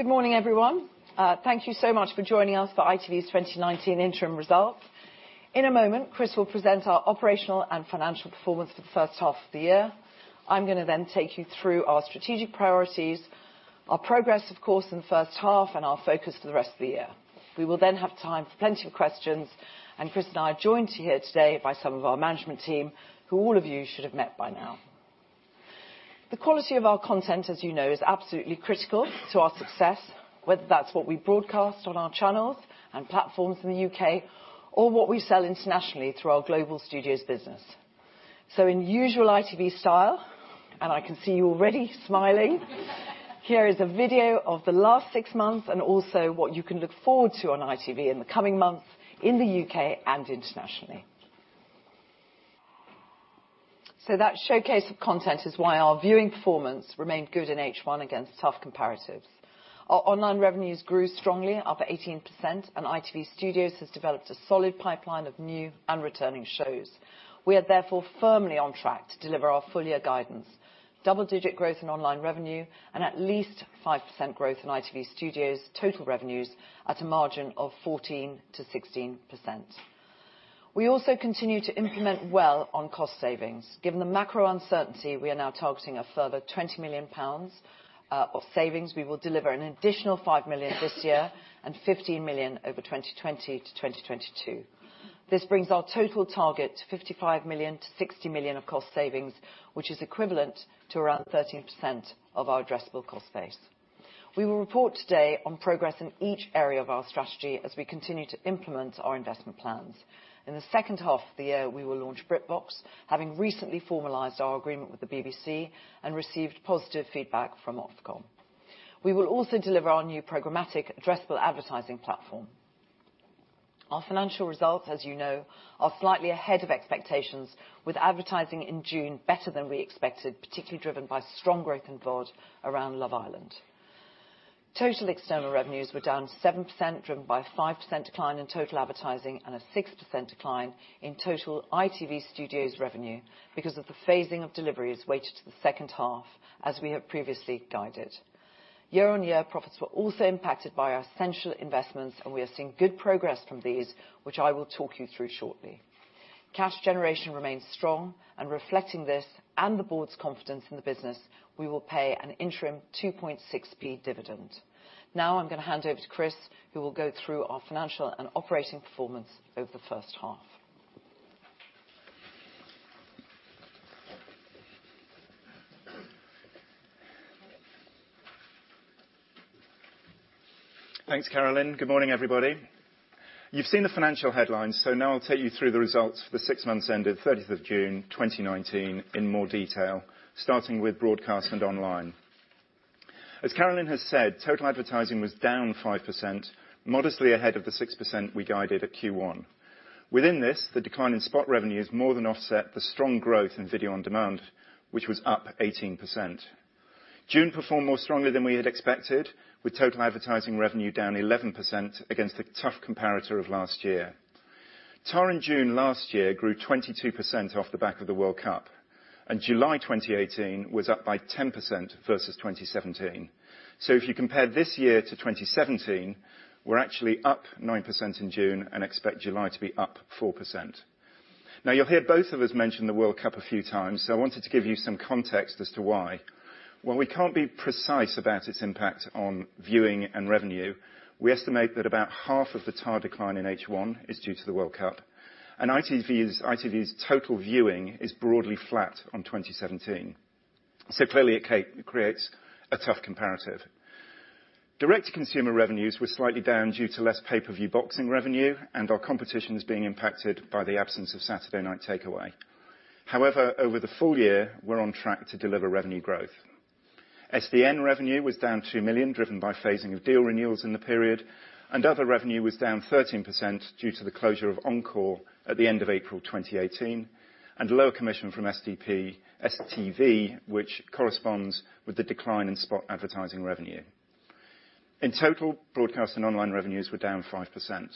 Good morning, everyone. Thank you so much for joining us for ITV's 2019 interim results. In a moment, Chris will present our operational and financial performance for the first half of the year. I'm going to take you through our strategic priorities, our progress, of course, in the first half, and our focus for the rest of the year. We will have time for plenty of questions, Chris and I are joined here today by some of our management team, who all of you should have met by now. The quality of our content, as you know, is absolutely critical to our success, whether that's what we broadcast on our channels and platforms in the U.K., or what we sell internationally through our global studios business. In usual ITV style, and I can see you already smiling here is a video of the last six months and also what you can look forward to on ITV in the coming months in the U.K. and internationally. That showcase of content is why our viewing performance remained good in H1 against tough comparatives. Our online revenues grew strongly, up 18%, and ITV Studios has developed a solid pipeline of new and returning shows. We are therefore firmly on track to deliver our full year guidance, double-digit growth in online revenue, and at least 5% growth in ITV Studios' total revenues at a margin of 14%-16%. We also continue to implement well on cost savings. Given the macro uncertainty, we are now targeting a further 20 million pounds of savings. We will deliver an additional 5 million this year and 15 million over 2020 to 2022. This brings our total target to 55 million-60 million of cost savings, which is equivalent to around 13% of our addressable cost base. We will report today on progress in each area of our strategy as we continue to implement our investment plans. In the second half of the year, we will launch BritBox, having recently formalized our agreement with the BBC and received positive feedback from Ofcom. We will also deliver our new programmatic addressable advertising platform. Our financial results, as you know, are slightly ahead of expectations with advertising in June better than we expected, particularly driven by strong growth in VOD around Love Island. Total external revenues were down 7%, driven by 5% decline in total advertising and a 6% decline in total ITV Studios revenue because of the phasing of deliveries weighted to the second half, as we have previously guided. Year-on-year profits were also impacted by our essential investments, and we are seeing good progress from these, which I will talk you through shortly. Cash generation remains strong, and reflecting this and the board's confidence in the business, we will pay an interim 0.026 dividend. Now I'm going to hand over to Chris, who will go through our financial and operating performance over the first half. Thanks, Carolyn. Good morning, everybody. You've seen the financial headlines. Now I'll take you through the results for the six months ended 30th of June 2019 in more detail, starting with broadcast and online. As Carolyn has said, total advertising was down 5%, modestly ahead of the 6% we guided at Q1. Within this, the decline in spot revenues more than offset the strong growth in video on demand, which was up 18%. June performed more strongly than we had expected, with total advertising revenue down 11% against the tough comparator of last year. TAR in June last year grew 22% off the back of the World Cup. July 2018 was up by 10% versus 2017. If you compare this year to 2017, we're actually up 9% in June and expect July to be up 4%. You'll hear both of us mention the World Cup a few times, so I wanted to give you some context as to why. While we can't be precise about its impact on viewing and revenue, we estimate that about half of the TAR decline in H1 is due to the World Cup, and ITV's total viewing is broadly flat on 2017. Clearly, it creates a tough comparative. Direct-to-consumer revenues were slightly down due to less pay-per-view boxing revenue and our competition is being impacted by the absence of Saturday Night Takeaway. However, over the full year, we're on track to deliver revenue growth. SDN revenue was down 2 million, driven by phasing of deal renewals in the period. Other revenue was down 13% due to the closure of Encore at the end of April 2018 and lower commission from STV, which corresponds with the decline in spot advertising revenue. In total, broadcast and online revenues were down 5%.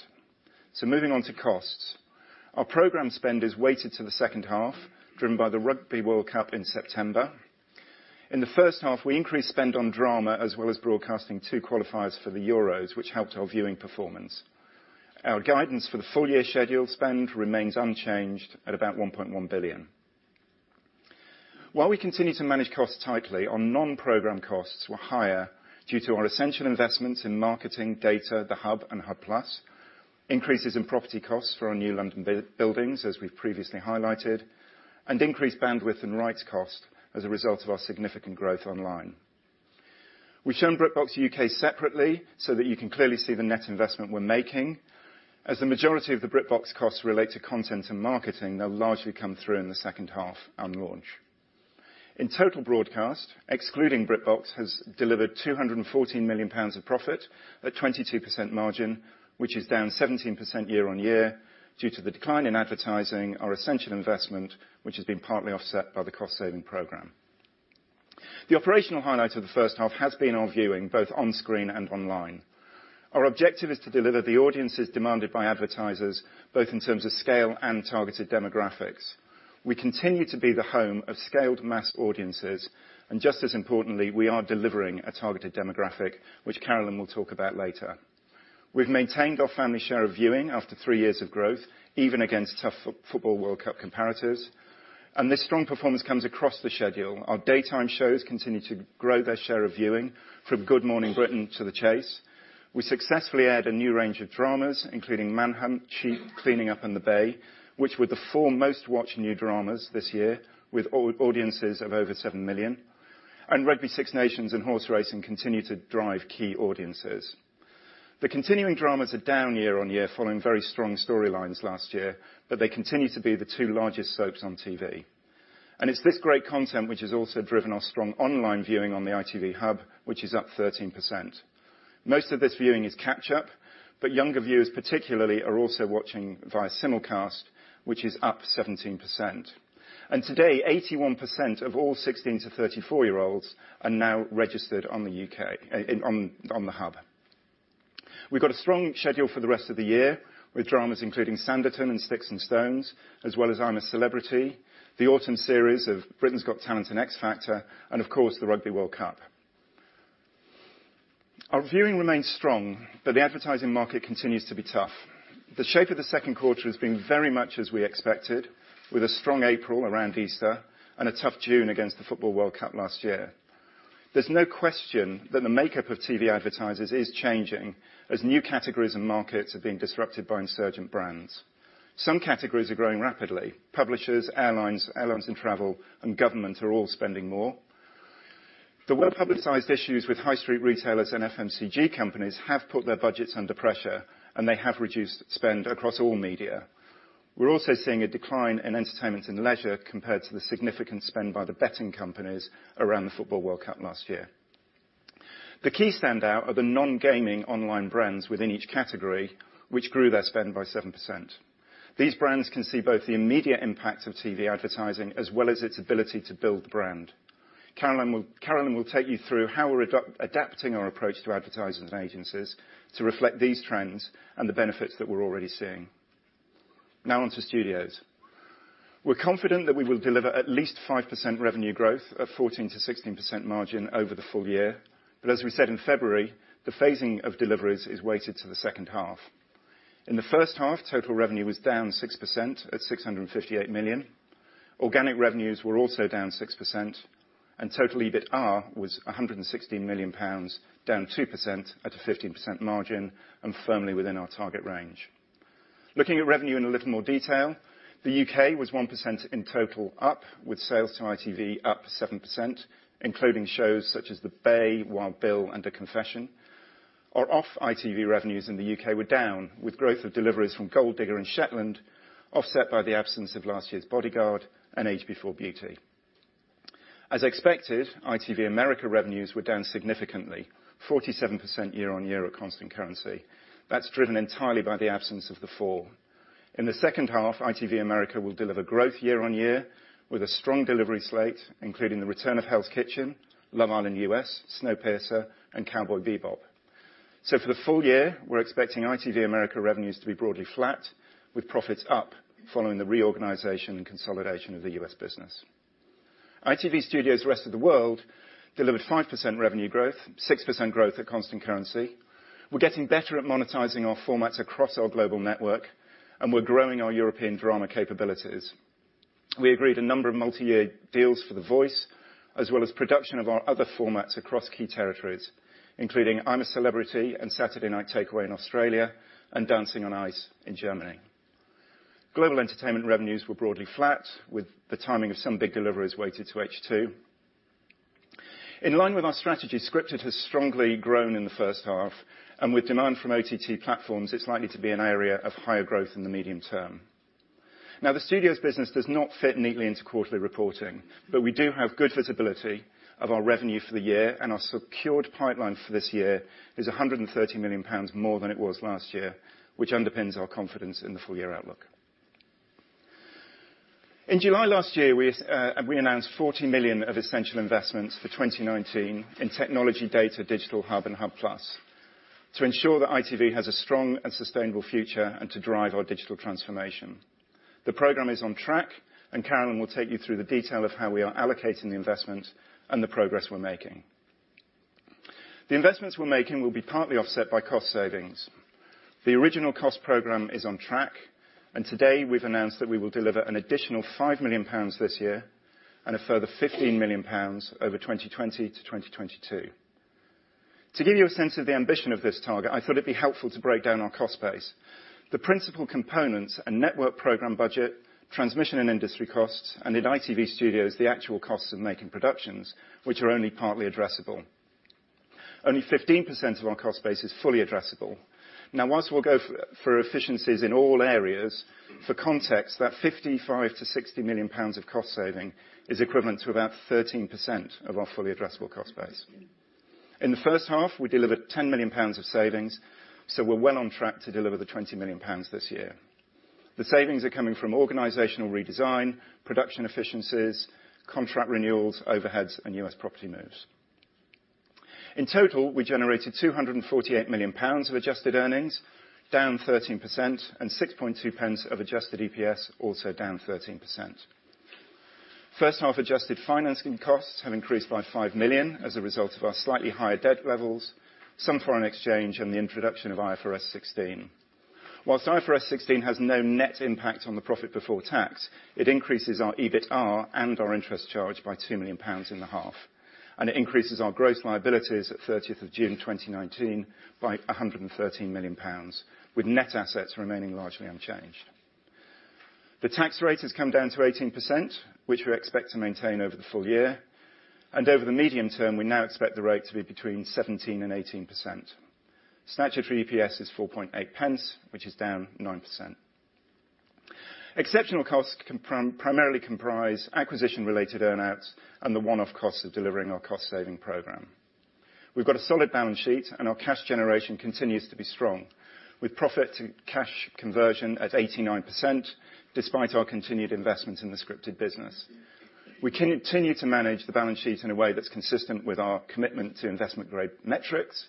Moving on to costs. Our program spend is weighted to the second half, driven by the Rugby World Cup in September. In the first half, we increased spend on drama as well as broadcasting two qualifiers for the Euros, which helped our viewing performance. Our guidance for the full year scheduled spend remains unchanged at about 1.1 billion. While we continue to manage costs tightly, our non-program costs were higher due to our essential investments in marketing, data, the Hub and Hub+, increases in property costs for our new London buildings, as we've previously highlighted, and increased bandwidth and rights cost as a result of our significant growth online. We've shown BritBox U.K. separately so that you can clearly see the net investment we're making. As the majority of the BritBox costs relate to content and marketing, they'll largely come through in the second half on launch. In total broadcast, excluding BritBox, has delivered 214 million pounds of profit at 22% margin, which is down 17% year-on-year due to the decline in advertising our essential investment, which has been partly offset by the cost-saving program. The operational highlight of the first half has been our viewing, both on screen and online. Our objective is to deliver the audiences demanded by advertisers, both in terms of scale and targeted demographics. We continue to be the home of scaled mass audiences and just as importantly, we are delivering a targeted demographic, which Carolyn will talk about later. We've maintained our family share of viewing after three years of growth, even against tough Football World Cup comparators. This strong performance comes across the schedule. Our daytime shows continue to grow their share of viewing, from Good Morning Britain to The Chase. We successfully aired a new range of dramas, including Manhunt, Cheat, Cleaning Up, and The Bay, which were the four most watched new dramas this year, with audiences of over seven million. Rugby Six Nations and horse racing continue to drive key audiences. The continuing dramas are down year-on-year, following very strong storylines last year, but they continue to be the two largest soaps on TV. It's this great content which has also driven our strong online viewing on the ITV Hub, which is up 13%. Most of this viewing is catch up, but younger viewers particularly are also watching via simulcast, which is up 17%. Today, 81% of all 16 to 34-year-olds are now registered on the Hub. We've got a strong schedule for the rest of the year, with dramas including Sanditon and Sticks and Stones, as well as I'm a Celebrity, the autumn series of Britain's Got Talent and X Factor, and of course, the Rugby World Cup. Our viewing remains strong, but the advertising market continues to be tough. The shape of the second quarter has been very much as we expected, with a strong April around Easter and a tough June against the Football World Cup last year. There's no question that the makeup of TV advertisers is changing as new categories and markets are being disrupted by insurgent brands. Some categories are growing rapidly. Publishers, airlines and travel, and government are all spending more. The well-publicized issues with high street retailers and FMCG companies have put their budgets under pressure, and they have reduced spend across all media. We're also seeing a decline in entertainment and leisure compared to the significant spend by the betting companies around the Football World Cup last year. The key standout are the non-gaming online brands within each category, which grew their spend by 7%. These brands can see both the immediate impact of TV advertising, as well as its ability to build the brand. Carolyn will take you through how we're adapting our approach to advertisers and agencies to reflect these trends and the benefits that we're already seeing. On to Studios. We're confident that we will deliver at least 5% revenue growth at 14%-16% margin over the full year. As we said in February, the phasing of deliveries is weighted to the second half. In the first half, total revenue was down 6% at 658 million. Organic revenues were also down 6%, and total EBITA was 116 million pounds, down 2% at a 15% margin and firmly within our target range. Looking at revenue in a little more detail, the U.K. was 1% in total up, with sales to ITV up 7%, including shows such as The Bay, Wild Bill, and The Confession. Our off-ITV revenues in the U.K. were down, with growth of deliveries from Gold Digger and Shetland, offset by the absence of last year's Bodyguard and Age Before Beauty. As expected, ITV America revenues were down significantly, 47% year-over-year at constant currency. That's driven entirely by the absence of The Four. In the second half, ITV America will deliver growth year-over-year with a strong delivery slate, including the return of Hell's Kitchen, Love Island U.S., Snowpiercer, and Cowboy Bebop. For the full year, we're expecting ITV America revenues to be broadly flat, with profits up following the reorganization and consolidation of the U.S. business. ITV Studios rest of the world delivered 5% revenue growth, 6% growth at constant currency. We're getting better at monetizing our formats across our global network, and we're growing our European drama capabilities. We agreed a number of multi-year deals for "The Voice," as well as production of our other formats across key territories, including I'm a Celebrity and Saturday Night Takeaway in Australia, and Dancing on Ice in Germany. Global entertainment revenues were broadly flat, with the timing of some big deliveries weighted to H2. In line with our strategy, scripted has strongly grown in the first half, and with demand from OTT platforms, it's likely to be an area of higher growth in the medium term. The Studios business does not fit neatly into quarterly reporting, but we do have good visibility of our revenue for the year, and our secured pipeline for this year is 130 million pounds more than it was last year, which underpins our confidence in the full year outlook. In July last year, we announced 40 million of essential investments for 2019 in technology, data, digital Hub, and Hub+, to ensure that ITV has a strong and sustainable future and to drive our digital transformation. The program is on track. Carolyn will take you through the detail of how we are allocating the investment and the progress we're making. The investments we're making will be partly offset by cost savings. The original cost program is on track, and today we've announced that we will deliver an additional 5 million pounds this year and a further 15 million pounds over 2020 to 2022. To give you a sense of the ambition of this target, I thought it'd be helpful to break down our cost base. The principal components are network program budget, transmission and industry costs, and in ITV Studios, the actual costs of making productions, which are only partly addressable. Only 15% of our cost base is fully addressable. Now, whilst we'll go for efficiencies in all areas, for context, that 55 million-60 million pounds of cost saving is equivalent to about 13% of our fully addressable cost base. In the first half, we delivered 10 million pounds of savings, so we're well on track to deliver the 20 million pounds this year. The savings are coming from organizational redesign, production efficiencies, contract renewals, overheads, and U.S. property moves. In total, we generated 248 million pounds of adjusted earnings, down 13%, and 0.062 of adjusted EPS, also down 13%. First half adjusted financing costs have increased by 5 million as a result of our slightly higher debt levels, some foreign exchange, and the introduction of IFRS 16. Whilst IFRS 16 has no net impact on the profit before tax, it increases our EBITA and our interest charge by 2 million pounds in the half, and it increases our gross liabilities at 30th of June 2019 by 113 million pounds, with net assets remaining largely unchanged. The tax rate has come down to 18%, which we expect to maintain over the full year, and over the medium term, we now expect the rate to be between 17% and 18%. Statutory EPS is 0.048, which is down 9%. Exceptional costs primarily comprise acquisition-related earn-outs and the one-off costs of delivering our cost saving program. We've got a solid balance sheet, and our cash generation continues to be strong, with profit and cash conversion at 89%, despite our continued investment in the scripted business. We continue to manage the balance sheet in a way that's consistent with our commitment to investment-grade metrics,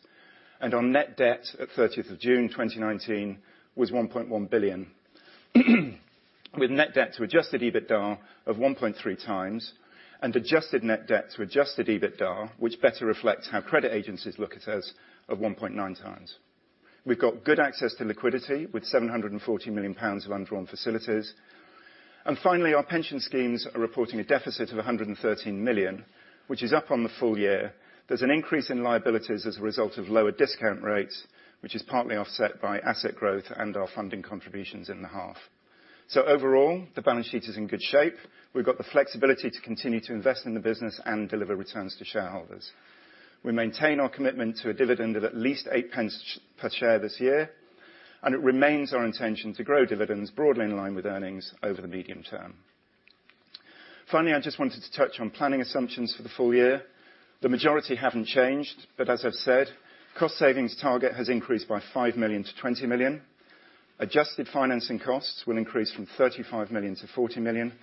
and our net debt at 30th of June 2019 was 1.1 billion. With net debt to adjusted EBITDA of 1.3x, and adjusted net debt to adjusted EBITDA, which better reflects how credit agencies look at us, of 1.9x. We've got good access to liquidity, with 740 million pounds of undrawn facilities. Finally, our pension schemes are reporting a deficit of 113 million, which is up on the full year. There's an increase in liabilities as a result of lower discount rates, which is partly offset by asset growth and our funding contributions in the half. Overall, the balance sheet is in good shape. We've got the flexibility to continue to invest in the business and deliver returns to shareholders. We maintain our commitment to a dividend of at least 0.08 per share this year, and it remains our intention to grow dividends broadly in line with earnings over the medium term. Finally, I just wanted to touch on planning assumptions for the full year. The majority haven't changed, but as I've said, cost savings target has increased by 5 million-20 million. Adjusted financing costs will increase from 35 million to 40 million.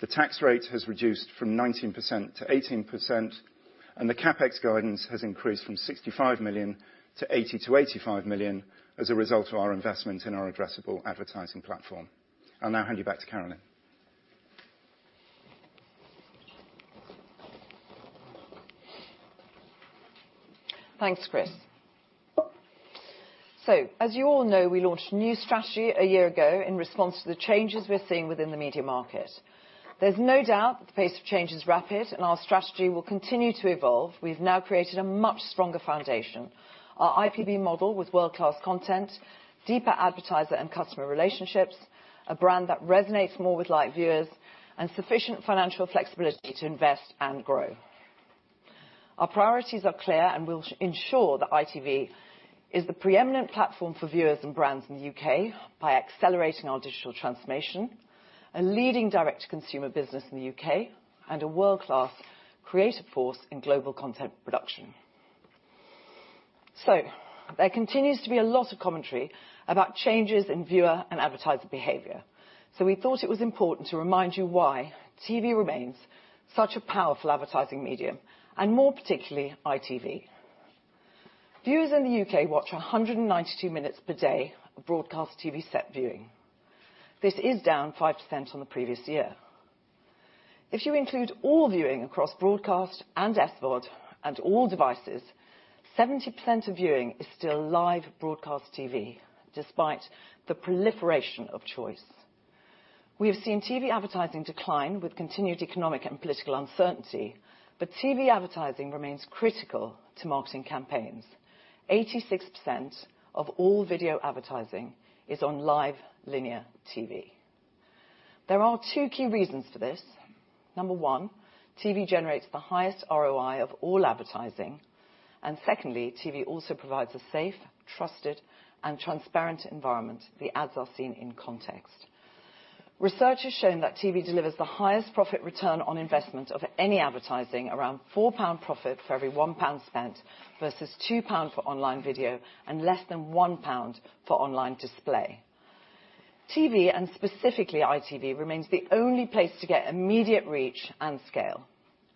The tax rate has reduced from 19% to 18%, and the CapEx guidance has increased from 65 million to 80 million-85 million as a result of our investment in our addressable advertising platform. I'll now hand you back to Carolyn. Thanks, Chris. As you all know, we launched a new strategy a year ago in response to the changes we're seeing within the media market. There's no doubt that the pace of change is rapid. Our strategy will continue to evolve. We've now created a much stronger foundation, our IPB model with world-class content, deeper advertiser and customer relationships, a brand that resonates more with live viewers, and sufficient financial flexibility to invest and grow. Our priorities are clear. We'll ensure that ITV is the preeminent platform for viewers and brands in the U.K. by accelerating our digital transformation, a leading direct consumer business in the U.K., and a world-class creative force in global content production. There continues to be a lot of commentary about changes in viewer and advertiser behavior. We thought it was important to remind you why TV remains such a powerful advertising medium, and more particularly, ITV. Viewers in the U.K. watch 192 minutes per day of broadcast TV set viewing. This is down 5% on the previous year. If you include all viewing across broadcast and SVOD and all devices, 70% of viewing is still live broadcast TV, despite the proliferation of choice. We have seen TV advertising decline with continued economic and political uncertainty, but TV advertising remains critical to marketing campaigns. 86% of all video advertising is on live linear TV. There are two key reasons for this. Number one, TV generates the highest ROI of all advertising, and secondly, TV also provides a safe, trusted, and transparent environment. The ads are seen in context. Research has shown that TV delivers the highest profit return on investment of any advertising, around 4 pound profit for every 1 pound spent, versus 2 pound for online video, and less than 1 pound for online display. TV, and specifically ITV, remains the only place to get immediate reach and scale.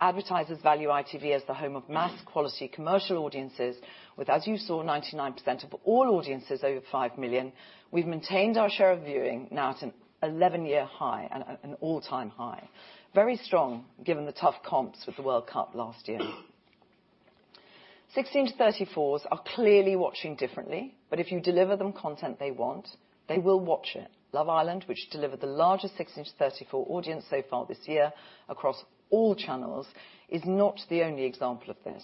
Advertisers value ITV as the home of mass quality commercial audiences with, as you saw, 99% of all audiences over 5 million. We've maintained our share of viewing, now at an 11-year high and an all-time high, very strong given the tough comps with the World Cup last year. 16 to 34s are clearly watching differently, but if you deliver them content they want, they will watch it. Love Island, which delivered the largest 16 to 34 audience so far this year across all channels, is not the only example of this.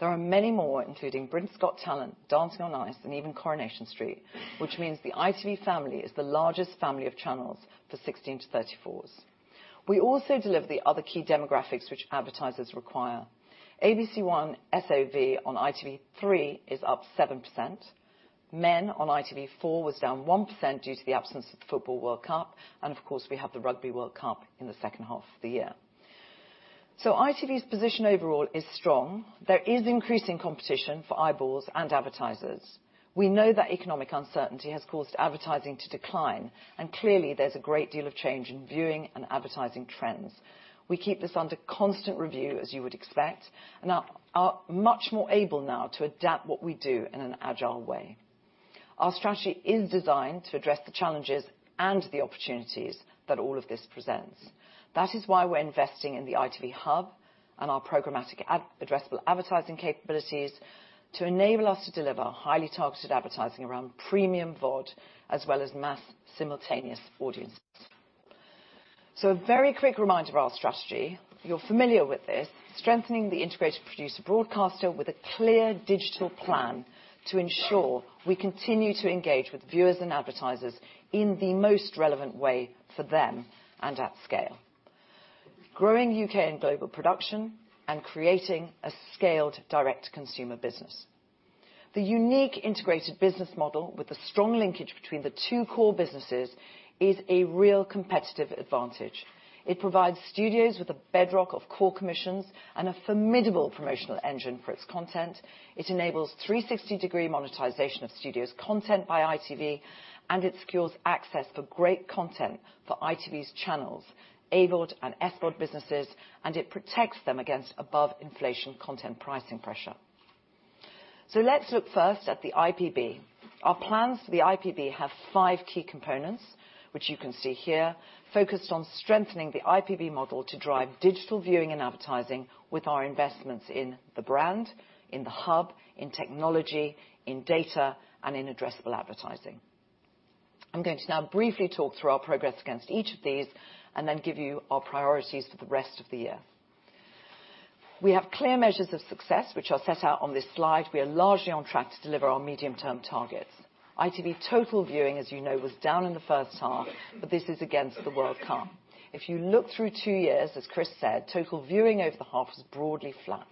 There are many more, including Britain's Got Talent, Dancing on Ice, and even Coronation Street, which means the ITV family is the largest family of channels for 16 to 34s. We also deliver the other key demographics which advertisers require. ABC1 SOV on ITV3 is up 7%. Men on ITV4 was down 1% due to the absence of the Football World Cup, and of course, we have the Rugby World Cup in the second half of the year. ITV's position overall is strong. There is increasing competition for eyeballs and advertisers. We know that economic uncertainty has caused advertising to decline, and clearly, there's a great deal of change in viewing and advertising trends. We keep this under constant review, as you would expect, and are much more able now to adapt what we do in an agile way. Our strategy is designed to address the challenges and the opportunities that all of this presents. That is why we're investing in the ITV Hub and our programmatic addressable advertising capabilities to enable us to deliver highly targeted advertising around premium VOD, as well as mass simultaneous audiences. A very quick reminder of our strategy. You're familiar with this, strengthening the integrated producer broadcaster with a clear digital plan to ensure we continue to engage with viewers and advertisers in the most relevant way for them and at scale. Growing U.K. and global production and creating a scaled direct consumer business. The unique integrated business model with the strong linkage between the two core businesses is a real competitive advantage. It provides studios with a bedrock of core commissions and a formidable promotional engine for its content. It enables 360-degree monetization of Studios' content by ITV, and it secures access for great content for ITV's channels, AVOD and SVOD businesses, and it protects them against above-inflation content pricing pressure. Let's look first at the IPB. Our plans for the IPB have five key components, which you can see here, focused on strengthening the IPB model to drive digital viewing and advertising with our investments in the brand, in the Hub, in technology, in data, and in addressable advertising. I'm going to now briefly talk through our progress against each of these, and then give you our priorities for the rest of the year. We have clear measures of success, which are set out on this slide. We are largely on track to deliver our medium-term targets. ITV total viewing, as you know, was down in the first half, but this is against the World Cup. If you look through two years, as Chris said, total viewing over the half was broadly flat.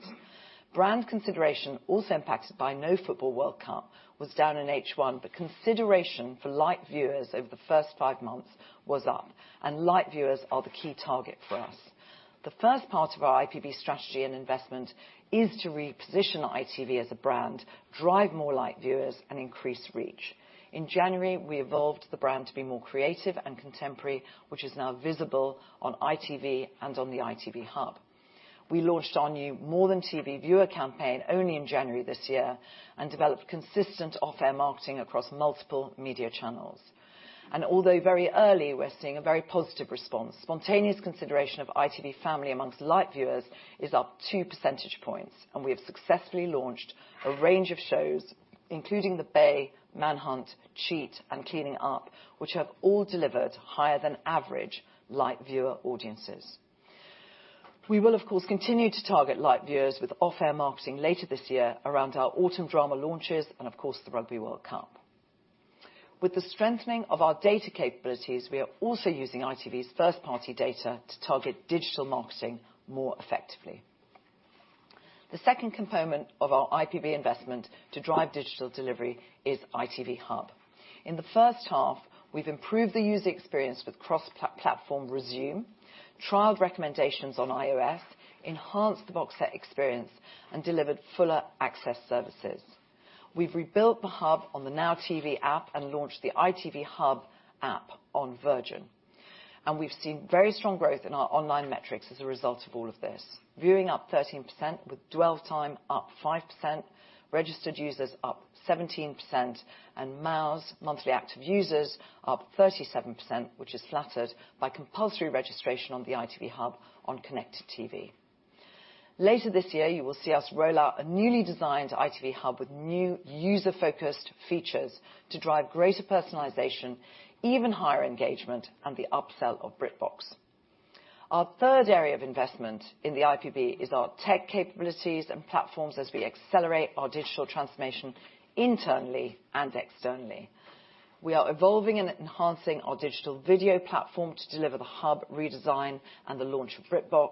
Brand consideration, also impacted by no Football World Cup, was down in H1, but consideration for light viewers over the first five months was up, and light viewers are the key target for us. The first part of our IPB strategy and investment is to reposition ITV as a brand, drive more light viewers, and increase reach. In January, we evolved the brand to be more creative and contemporary, which is now visible on ITV and on the ITV Hub. We launched our new More Than TV viewer campaign only in January this year and developed consistent off-air marketing across multiple media channels. Although very early, we're seeing a very positive response. Spontaneous consideration of ITV family amongst light viewers is up 2 percentage points, and we have successfully launched a range of shows, including The Bay, Manhunt, Cheat, and Cleaning Up, which have all delivered higher than average light viewer audiences. We will, of course, continue to target light viewers with off-air marketing later this year around our autumn drama launches and, of course, the Rugby World Cup. With the strengthening of our data capabilities, we are also using ITV's first-party data to target digital marketing more effectively. The second component of our IPB investment to drive digital delivery is ITV Hub. In the first half, we've improved the user experience with cross-platform resume, trialed recommendations on iOS, enhanced the box set experience, and delivered fuller access services. We've rebuilt the Hub on the NOW TV app and launched the ITV Hub app on Virgin. We've seen very strong growth in our online metrics as a result of all of this. Viewing up 13%, with dwell time up 5%, registered users up 17%, and MAUs, monthly active users, up 37%, which is flattered by compulsory registration on the ITV Hub on connected TV. Later this year, you will see us roll out a newly designed ITV Hub with new user-focused features to drive greater personalization, even higher engagement, and the upsell of BritBox. Our third area of investment in the IPB is our tech capabilities and platforms as we accelerate our digital transformation internally and externally. We are evolving and enhancing our digital video platform to deliver the Hub redesign and the launch of BritBox.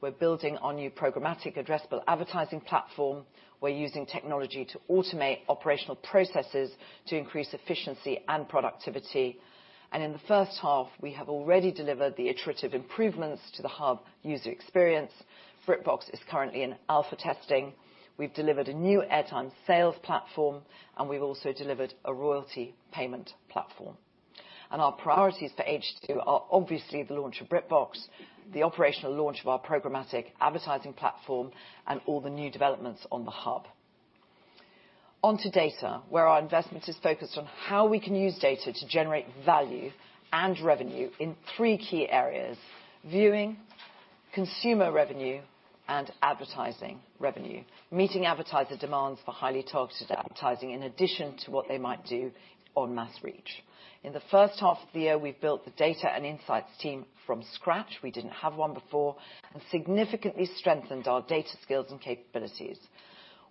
We're building our new programmatic addressable advertising platform. We're using technology to automate operational processes to increase efficiency and productivity. In the first half, we have already delivered the iterative improvements to the Hub user experience. BritBox is currently in alpha testing. We've delivered a new airtime sales platform, and we've also delivered a royalty payment platform. Our priorities for H2 are obviously the launch of BritBox, the operational launch of our programmatic advertising platform, and all the new developments on the Hub. Onto data, where our investment is focused on how we can use data to generate value and revenue in three key areas: viewing, consumer revenue, and advertising revenue, meeting advertiser demands for highly targeted advertising in addition to what they might do on mass reach. In the first half of the year, we've built the data and insights team from scratch, we didn't have one before, and significantly strengthened our data skills and capabilities.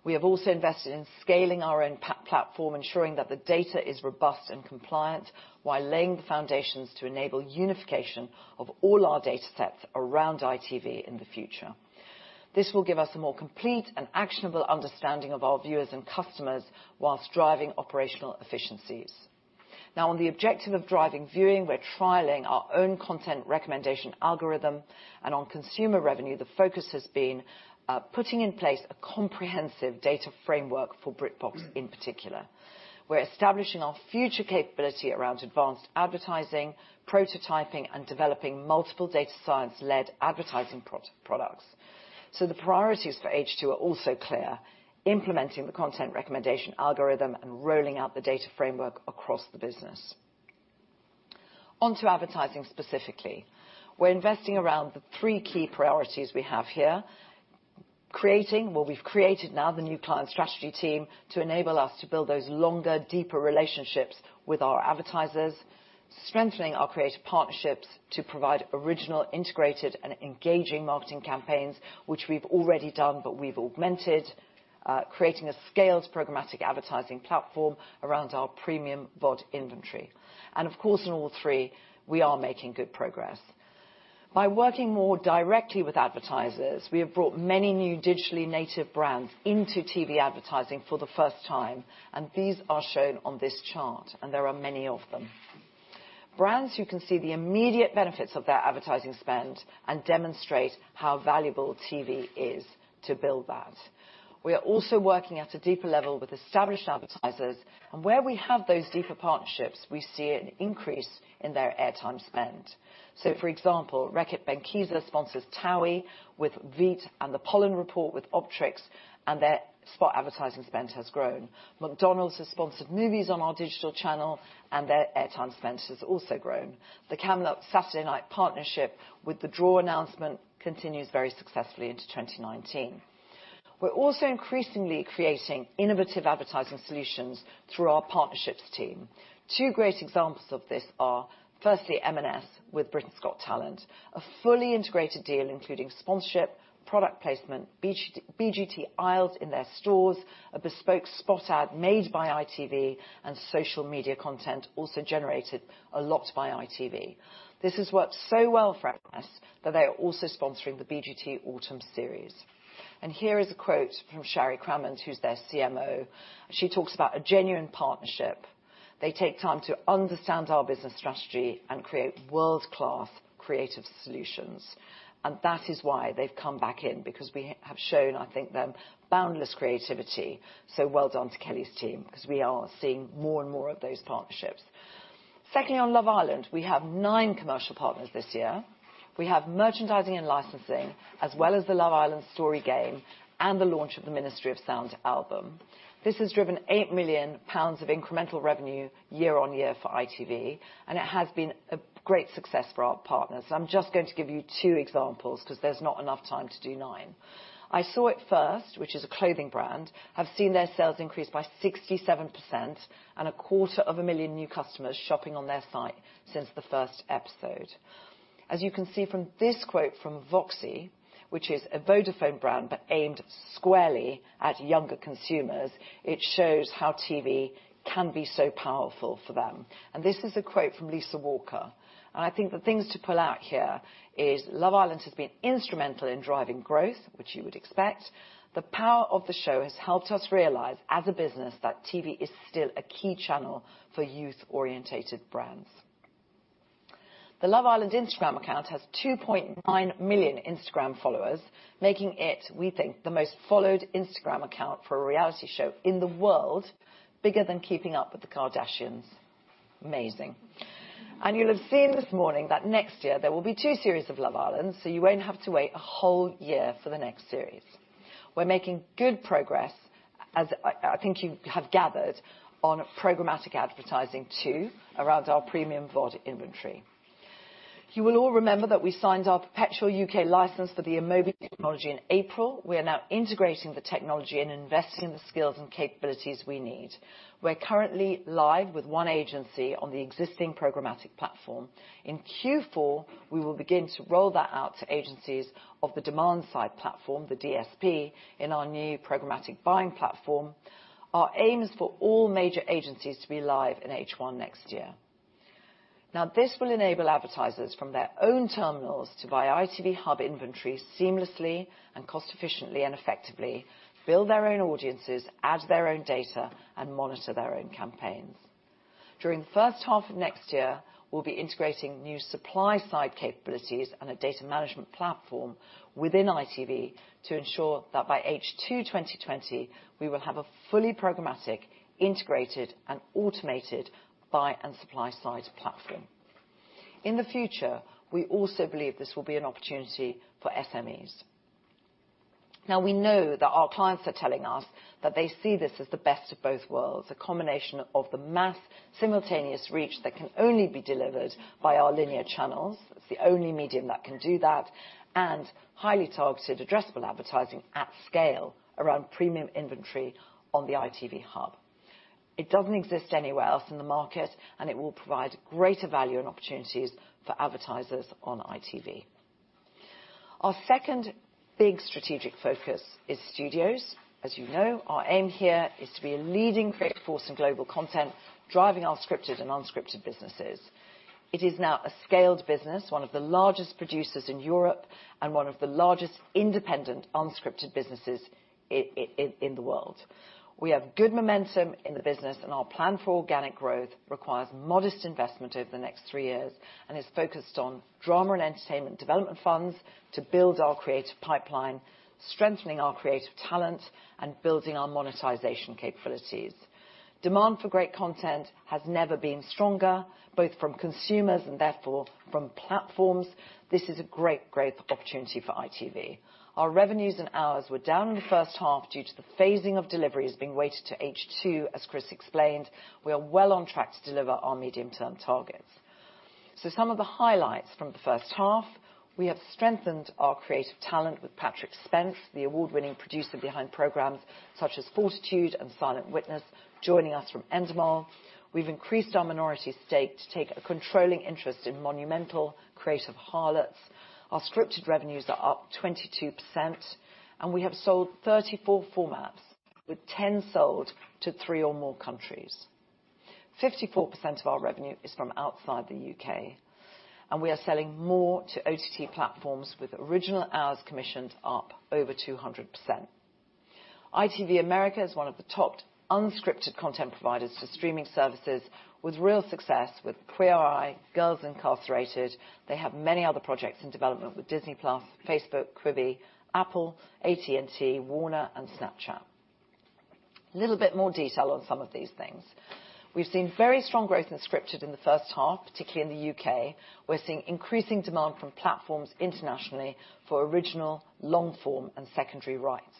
We have also invested in scaling our own platform, ensuring that the data is robust and compliant, while laying the foundations to enable unification of all our data sets around ITV in the future. This will give us a more complete and actionable understanding of our viewers and customers while driving operational efficiencies. On the objective of driving viewing, we're trialing our own content recommendation algorithm, and on consumer revenue, the focus has been putting in place a comprehensive data framework for BritBox in particular. We're establishing our future capability around advanced advertising, prototyping, and developing multiple data science-led advertising products. The priorities for H2 are also clear, implementing the content recommendation algorithm and rolling out the data framework across the business. On to advertising specifically. We're investing around the three key priorities we have here. Creating, well, we've created now the new client strategy team to enable us to build those longer, deeper relationships with our advertisers. Strengthening our creative partnerships to provide original, integrated, and engaging marketing campaigns, which we've already done, but we've augmented. Creating a scaled programmatic advertising platform around our premium VOD inventory. Of course, in all three, we are making good progress. By working more directly with advertisers, we have brought many new digitally native brands into TV advertising for the first time, and these are shown on this chart, and there are many of them. Brands who can see the immediate benefits of their advertising spend and demonstrate how valuable TV is to build that. We are also working at a deeper level with established advertisers, and where we have those deeper partnerships, we see an increase in their airtime spend. For example, Reckitt Benckiser sponsors TOWIE with Veet and the Pollen Report with Optrex. Their spot advertising spend has grown. McDonald's has sponsored movies on our digital channel. Their airtime spend has also grown. The Camelot Saturday night partnership with the draw announcement continues very successfully into 2019. We're also increasingly creating innovative advertising solutions through our partnerships team. Two great examples of this are, firstly, M&S with Britain's Got Talent, a fully integrated deal including sponsorship, product placement, BGT aisles in their stores, a bespoke spot ad made by ITV, and social media content also generated a lot by ITV. This has worked so well for M&S that they are also sponsoring the BGT autumn series. Here is a quote from Sharry Cramond, who's their CMO. She talks about a genuine partnership. They take time to understand our business strategy and create world-class creative solutions. That is why they've come back in, because we have shown, I think, them boundless creativity. Well done to Kelly's team, because we are seeing more and more of those partnerships. Secondly, on Love Island, we have nine commercial partners this year. We have merchandising and licensing, as well as the Love Island: The Game and the launch of the Ministry of Sound album. This has driven 8 million pounds of incremental revenue year-on-year for ITV, and it has been a great success for our partners. I'm just going to give you two examples because there's not enough time to do nine. I SAW IT FIRST, which is a clothing brand, have seen their sales increase by 67% and a quarter of a million new customers shopping on their site since the first episode. As you can see from this quote from VOXI, which is a Vodafone brand, but aimed squarely at younger consumers, it shows how TV can be so powerful for them. This is a quote from Lisa Walker. I think the things to pull out here is, "Love Island has been instrumental in driving growth," which you would expect. "The power of the show has helped us realize as a business that TV is still a key channel for youth-orientated brands." The Love Island Instagram account has 2.9 million Instagram followers, making it, we think, the most followed Instagram account for a reality show in the world, bigger than Keeping Up with the Kardashians. Amazing. You'll have seen this morning that next year there will be two series of Love Island, so you won't have to wait a whole year for the next series. We're making good progress, as I think you have gathered, on programmatic advertising too, around our premium VOD inventory. You will all remember that we signed our perpetual U.K. license for the Amobee technology in April. We are now integrating the technology and investing the skills and capabilities we need. We're currently live with one agency on the existing programmatic platform. In Q4, we will begin to roll that out to agencies of the demand-side platform, the DSP, in our new programmatic buying platform. Our aim is for all major agencies to be live in H1 next year. This will enable advertisers from their own terminals to buy ITV Hub inventory seamlessly and cost efficiently and effectively, build their own audiences, add their own data, and monitor their own campaigns. During the first half of next year, we'll be integrating new supply side capabilities and a data management platform within ITV to ensure that by H2 2020, we will have a fully programmatic, integrated, and automated buy and supply side platform. In the future, we also believe this will be an opportunity for SMEs. Now, we know that our clients are telling us that they see this as the best of both worlds, a combination of the mass simultaneous reach that can only be delivered by our linear channels, it's the only medium that can do that, and highly targeted addressable advertising at scale around premium inventory on the ITV Hub. It doesn't exist anywhere else in the market, and it will provide greater value and opportunities for advertisers on ITV. Our second big strategic focus is Studios. As you know, our aim here is to be a leading creative force in global content, driving our scripted and unscripted businesses. It is now a scaled business, one of the largest producers in Europe, and one of the largest independent unscripted businesses in the world. We have good momentum in the business, and our plan for organic growth requires modest investment over the next three years, and is focused on drama and entertainment development funds to build our creative pipeline, strengthening our creative talent, and building our monetization capabilities. Demand for great content has never been stronger, both from consumers and therefore from platforms. This is a great growth opportunity for ITV. Our revenues and hours were down in the first half due to the phasing of deliveries being weighted to H2, as Chris explained. We are well on track to deliver our medium-term targets. Some of the highlights from the first half, we have strengthened our creative talent with Patrick Spence, the award-winning producer behind programs such as Fortitude and Silent Witness, joining us from Endemol. We've increased our minority stake to take a controlling interest in Monumental, creator of Harlots. Our scripted revenues are up 22%, and we have sold 34 formats, with 10 sold to three or more countries. 54% of our revenue is from outside the U.K. We are selling more to OTT platforms, with original hours commissions up over 200%. ITV America is one of the top unscripted content providers to streaming services, with real success with Queer Eye, Girls Incarcerated. They have many other projects in development with Disney+, Facebook, Quibi, Apple, AT&T, Warner, and Snapchat. A little bit more detail on some of these things. We've seen very strong growth in scripted in the first half, particularly in the U.K. We're seeing increasing demand from platforms internationally for original long-form and secondary rights.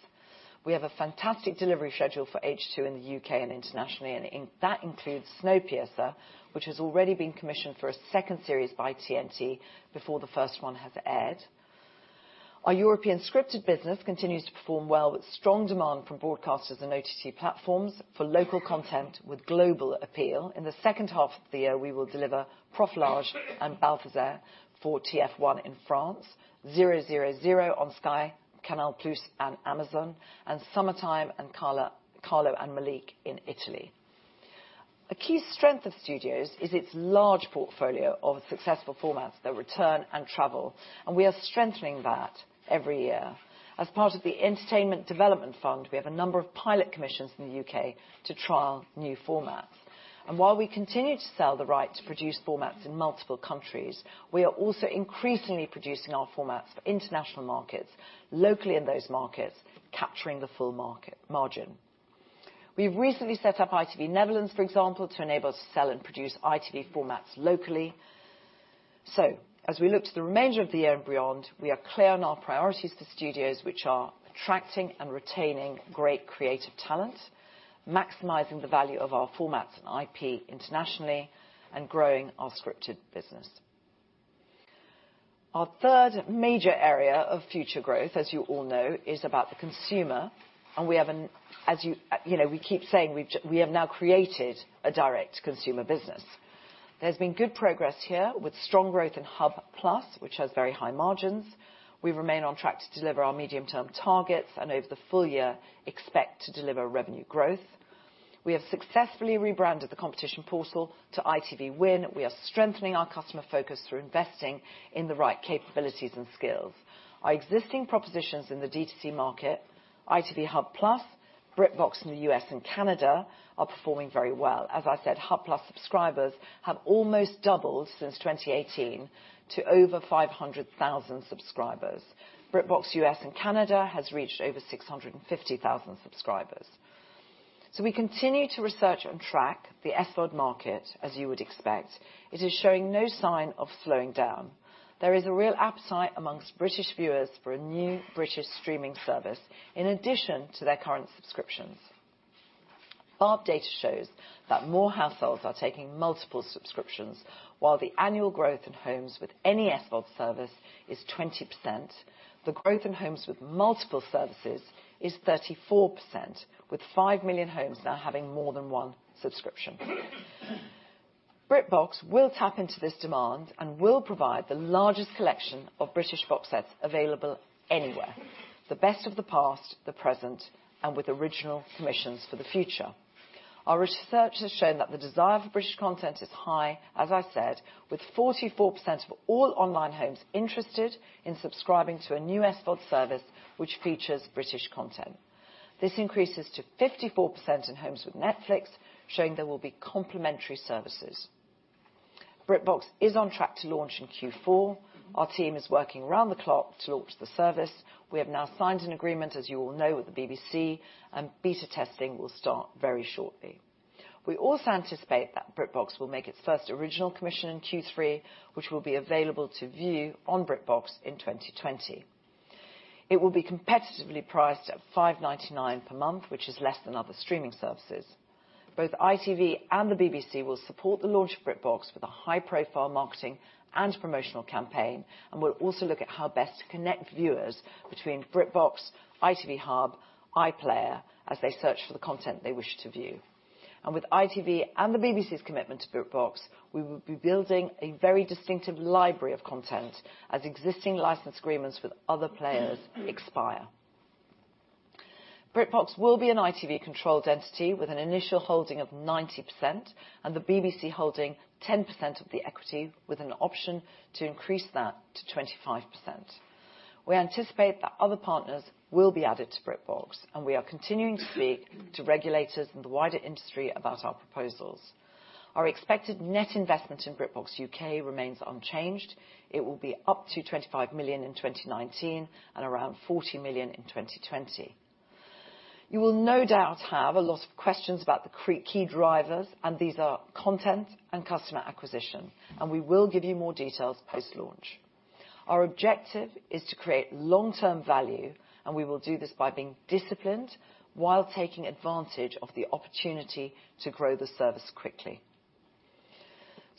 We have a fantastic delivery schedule for H2 in the U.K. and internationally, and that includes Snowpiercer, which has already been commissioned for a second series by TNT before the first one has aired. Our European scripted business continues to perform well, with strong demand from broadcasters and OTT platforms for local content with global appeal. In the second half of the year, we will deliver Profilage and Balthazar for TF1 in France, ZeroZeroZero on Sky, Canal+, and Amazon, and Summertime and Carlo & Malik in Italy. A key strength of studios is its large portfolio of successful formats that return and travel, and we are strengthening that every year. As part of the Entertainment Development Fund, we have a number of pilot commissions in the U.K. to trial new formats. While we continue to sell the right to produce formats in multiple countries, we are also increasingly producing our formats for international markets locally in those markets, capturing the full margin. We've recently set up ITV Netherlands, for example, to enable us to sell and produce ITV formats locally. As we look to the remainder of the year and beyond, we are clear on our priorities to Studios which are attracting and retaining great creative talent, maximizing the value of our formats and IP internationally, and growing our scripted business. Our third major area of future growth, as you all know, is about the consumer. We keep saying we have now created a direct consumer business. There's been good progress here with strong growth in Hub+, which has very high margins. We remain on track to deliver our medium-term targets, and over the full year, expect to deliver revenue growth. We have successfully rebranded the competition portal to ITV Win. We are strengthening our customer focus through investing in the right capabilities and skills. Our existing propositions in the D2C market, ITV Hub+, BritBox in the U.S. and Canada, are performing very well. As I said, Hub+ subscribers have almost doubled since 2018 to over 500,000 subscribers. BritBox U.S. and Canada has reached over 650,000 subscribers. We continue to research and track the SVOD market, as you would expect. It is showing no sign of slowing down. There is a real appetite amongst British viewers for a new British streaming service, in addition to their current subscriptions. BARB data shows that more households are taking multiple subscriptions. While the annual growth in homes with any SVOD service is 20%, the growth in homes with multiple services is 34%, with 5 million homes now having more than one subscription. BritBox will tap into this demand and will provide the largest collection of British box sets available anywhere. The best of the past, the present, and with original commissions for the future. Our research has shown that the desire for British content is high, as I said, with 44% of all online homes interested in subscribing to a new SVOD service which features British content. This increases to 54% in homes with Netflix, showing they will be complementary services. BritBox is on track to launch in Q4. Our team is working around the clock to launch the service. We have now signed an agreement, as you all know, with the BBC, and beta testing will start very shortly. We also anticipate that BritBox will make its first original commission in Q3, which will be available to view on BritBox in 2020. It will be competitively priced at 5.99 per month, which is less than other streaming services. Both ITV and the BBC will support the launch of BritBox with a high-profile marketing and promotional campaign. We'll also look at how best to connect viewers between BritBox, ITV Hub, iPlayer, as they search for the content they wish to view. With ITV and the BBC's commitment to BritBox, we will be building a very distinctive library of content as existing license agreements with other players expire. BritBox will be an ITV-controlled entity with an initial holding of 90%, and the BBC holding 10% of the equity with an option to increase that to 25%. We anticipate that other partners will be added to BritBox, and we are continuing to speak to regulators in the wider industry about our proposals. Our expected net investment in BritBox U.K. remains unchanged. It will be up to 25 million in 2019, and around 40 million in 2020. You will no doubt have a lot of questions about the key drivers, and these are content and customer acquisition, and we will give you more details post-launch. Our objective is to create long-term value, and we will do this by being disciplined while taking advantage of the opportunity to grow the service quickly.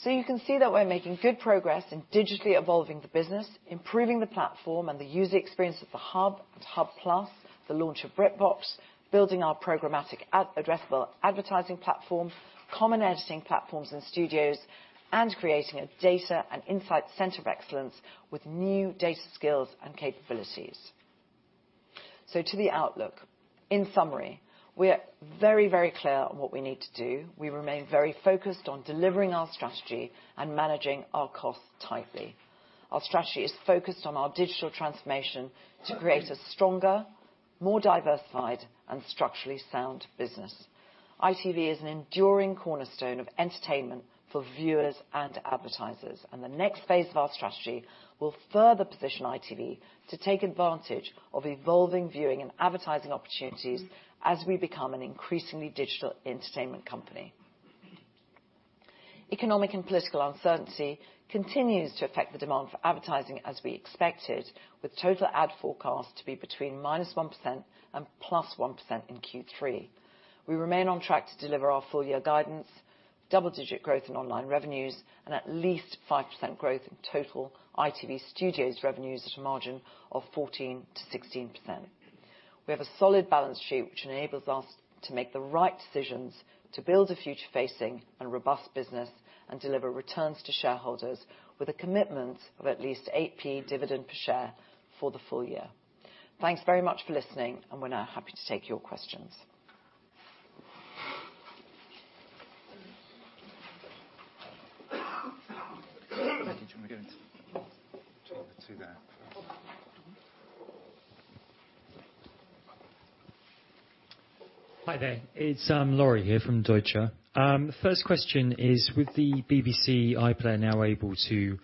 You can see that we're making good progress in digitally evolving the business, improving the platform and the user experience of the Hub and Hub+, the launch of BritBox, building our programmatic addressable advertising platform, common editing platforms and studios, and creating a data and insight center of excellence with new data skills and capabilities. To the outlook. In summary, we are very clear on what we need to do. We remain very focused on delivering our strategy and managing our costs tightly. Our strategy is focused on our digital transformation to create a stronger, more diversified, and structurally sound business. ITV is an enduring cornerstone of entertainment for viewers and advertisers, the next phase of our strategy will further position ITV to take advantage of evolving viewing and advertising opportunities as we become an increasingly digital entertainment company. Economic and political uncertainty continues to affect the demand for advertising as we expected, with total ad forecast to be between -1% and +1% in Q3. We remain on track to deliver our full year guidance, double-digit growth in online revenues, and at least 5% growth in total ITV Studios revenues at a margin of 14%-16%. We have a solid balance sheet, which enables us to make the right decisions to build a future-facing and robust business, and deliver returns to shareholders with a commitment of at least 0.08 dividend per share for the full year. Thanks very much for listening. We're now happy to take your questions. Do you want me to go into the? Yes. Two there. Hi there. It's Laurie here from Deutsche. First question is, with the BBC iPlayer now able to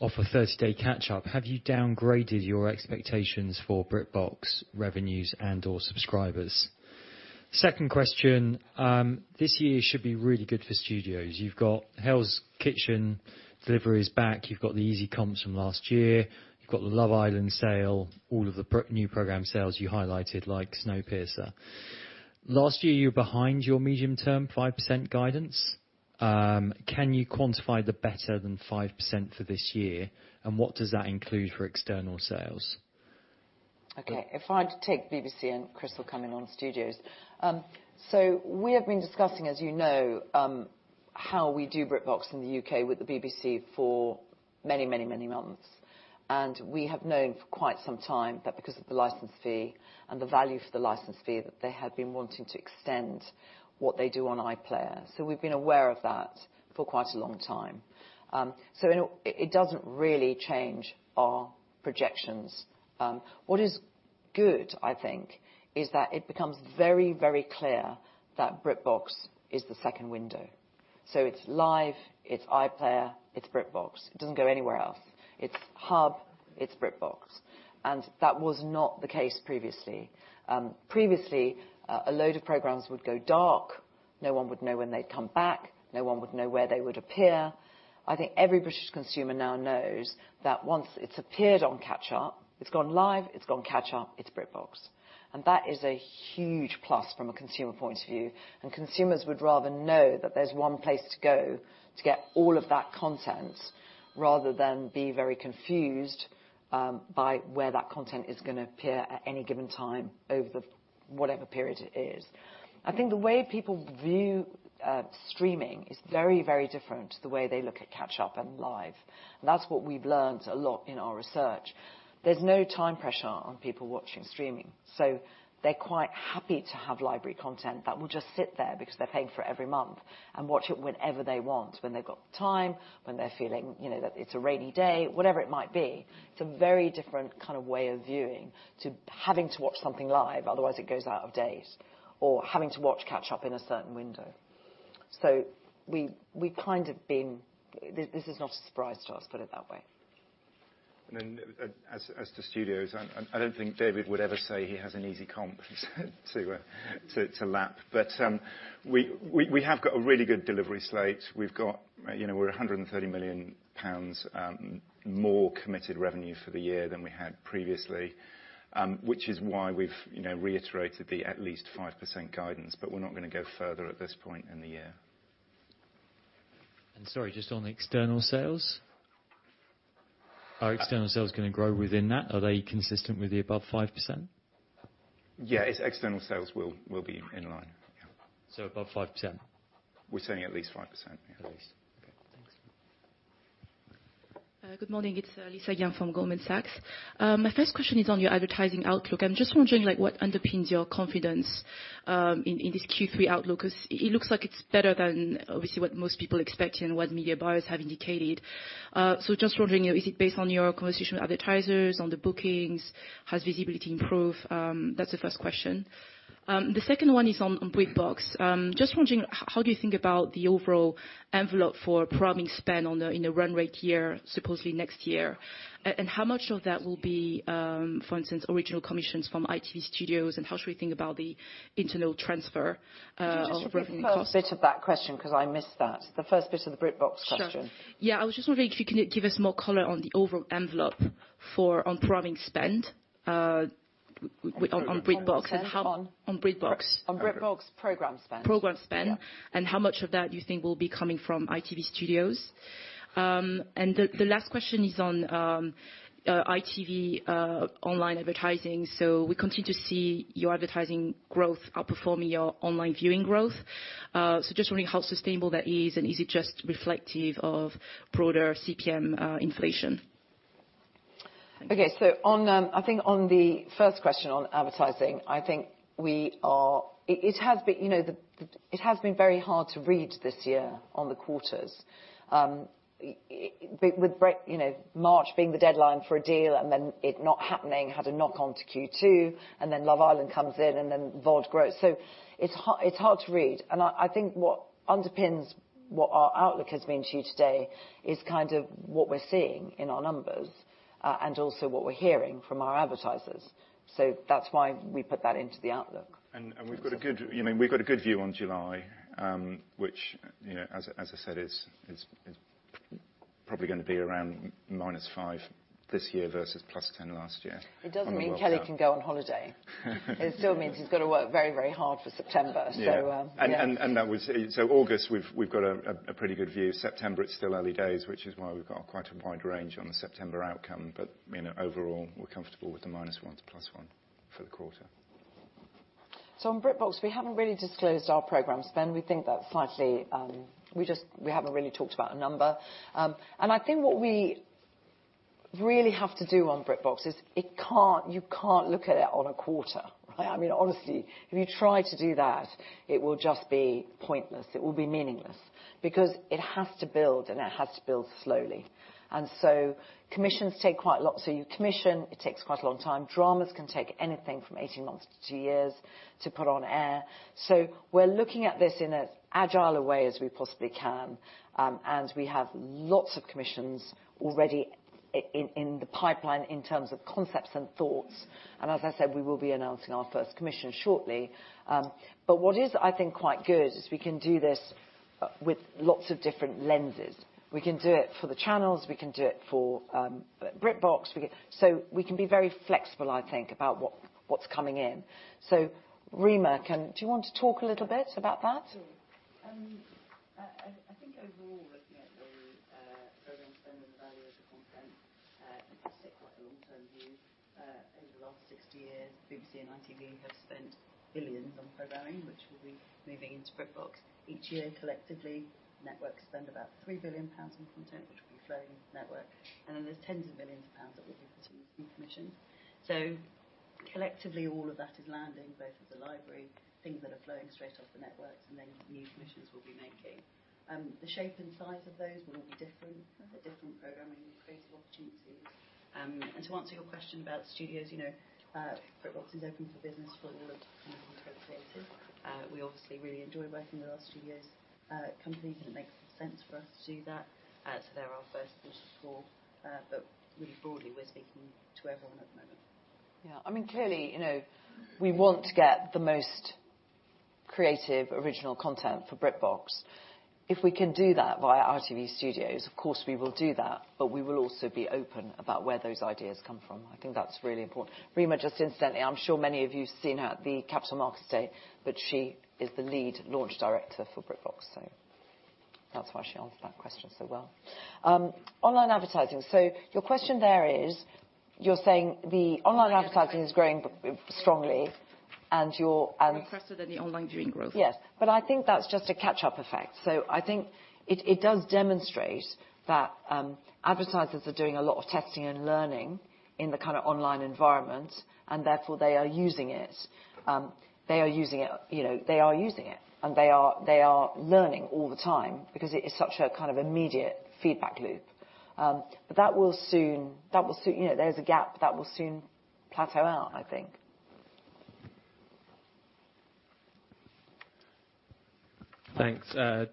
offer 30-day catch up, have you downgraded your expectations for BritBox revenues and/or subscribers? Second question. This year should be really good for Studios. You've got Hell's Kitchen delivery is back. You've got the easy comps from last year. You've got the Love Island sale, all of the new program sales you highlighted, like Snowpiercer. Last year, you were behind your medium-term 5% guidance. Can you quantify the better than 5% for this year, and what does that include for external sales? Okay. If I take BBC and Chris will come in on Studios. We have been discussing, as you know, how we do BritBox in the U.K. with the BBC for many many months. We have known for quite some time that because of the license fee and the value for the license fee, that they had been wanting to extend what they do on iPlayer. We've been aware of that for quite a long time. It doesn't really change our projections. What is good, I think, is that it becomes very very clear that BritBox is the second window. It's live, it's iPlayer, it's BritBox. It doesn't go anywhere else. It's Hub, it's BritBox. That was not the case previously. Previously, a load of programs would go dark. No one would know when they'd come back. No one would know where they would appear. I think every British consumer now knows that once it's appeared on catch up, it's gone live, it's gone catch up, it's BritBox. That is a huge plus from a consumer point of view. Consumers would rather know that there's one place to go to get all of that content rather than be very confused by where that content is going to appear at any given time over whatever period it is. I think the way people view streaming is very very different to the way they look at catch up and live. That's what we've learned a lot in our research. There's no time pressure on people watching streaming, so they're quite happy to have library content that will just sit there because they're paying for it every month and watch it whenever they want, when they've got time, when they're feeling that it's a rainy day, whatever it might be. It's a very different kind of way of viewing to having to watch something live, otherwise it goes out of date, or having to watch catch up in a certain window. This is not a surprise to us, put it that way. As to Studios, I don't think David would ever say he has an easy comp to lap. We have got a really good delivery slate. We're 130 million pounds more committed revenue for the year than we had previously, which is why we've reiterated the at least 5% guidance, but we're not going to go further at this point in the year. Sorry, just on the external sales. Are external sales going to grow within that? Are they consistent with the above 5%? Yeah. Its external sales will be in line. Yeah. Above 5%? We're saying at least 5%. Yeah. At least. Good morning. It's Lisa Yang from Goldman Sachs. My first question is on your advertising outlook. I'm just wondering what underpins your confidence in this Q3 outlook, because it looks like it's better than obviously what most people expect and what media buyers have indicated. Just wondering, is it based on your conversation with advertisers on the bookings? Has visibility improved? That's the first question. The second one is on BritBox. Just wondering, how do you think about the overall envelope for programming spend in the run rate year, supposedly next year? How much of that will be, for instance, original commissions from ITV Studios? How should we think about the internal transfer of revenue? Can you just repeat the first bit of that question because I missed that. The first bit of the BritBox question. Sure. Yeah, I was just wondering if you can give us more color on the overall envelope for on programming spend on BritBox and how- On programming spend on? On BritBox. On BritBox program spend. Program spend. Yeah. How much of that you think will be coming from ITV Studios. The last question is on ITV online advertising. We continue to see your advertising growth outperforming your online viewing growth. Just wondering how sustainable that is, and is it just reflective of broader CPM inflation? Okay. I think on the first question on advertising, it has been very hard to read this year on the quarters. With March being the deadline for a deal and then it not happening, had a knock-on to Q2, and then Love Island comes in and then VOD grows. It's hard to read. I think what underpins what our outlook has been to you today is kind of what we're seeing in our numbers, and also what we're hearing from our advertisers. That's why we put that into the outlook. We've got a good view on July, which as I said, is probably going to be around -5% this year versus +10% last year. It doesn't mean- On the quarter. Kelly can go on holiday. It still means he's got to work very very hard for September. Yeah. So. August, we've got a pretty good view. September, it's still early days, which is why we've got quite a wide range on the September outcome. Overall, we're comfortable with the -1% to +1% for the quarter. On BritBox, we haven't really disclosed our program spend. We haven't really talked about a number. I think what we really have to do on BritBox is you can't look at it on a quarter. Honestly, if you try to do that, it will just be pointless. It will be meaningless, because it has to build, and it has to build slowly. Commissions take quite a lot. You commission, it takes quite a long time. Dramas can take anything from 18 months to two years to put on air. We're looking at this in as agile a way as we possibly can. We have lots of commissions already in the pipeline in terms of concepts and thoughts. As I said, we will be announcing our first commission shortly. What is I think quite good is we can do this with lots of different lenses. We can do it for the channels, we can do it for BritBox. We can be very flexible, I think, about what's coming in. Reemah, do you want to talk a little bit about that? Sure. I think overall, looking at the program spend and the value of the content, you have to take quite a long-term view. Over the last 60 years, BBC and ITV have spent billions on programming, which will be moving into BritBox each year. Collectively, networks spend about 3 billion pounds on content, which will be flowing into network. Then there's tens of millions of pounds that we'll be putting into new commissions. Collectively, all of that is landing both at the library, things that are flowing straight off the networks, and then new commissions we'll be making. The shape and size of those will all be different. They're different programming, creative opportunities. To answer your question about Studios, BritBox is open for business for all of the creative community. We obviously really enjoy working with Studios, companies, and it makes sense for us to do that. They're our first port of call. Really broadly, we're speaking to everyone at the moment. Yeah. Clearly, we want to get the most creative, original content for BritBox. If we can do that via ITV Studios, of course we will do that, but we will also be open about where those ideas come from. I think that's really important. Reemah, just incidentally, I'm sure many of you seen her at the Capital Markets Day, but she is the Lead Launch Director for BritBox. That's why she answered that question so well. Online advertising. Your question there is, you're saying the online advertising is growing strongly and you're- Quicker than the online viewing growth. Yes. I think that's just a catch-up effect. I think it does demonstrate that advertisers are doing a lot of testing and learning in the online environment, and therefore, they are using it. They are using it, they are learning all the time because it is such a kind of immediate feedback loop. There's a gap. That will soon plateau out, I think. Thanks.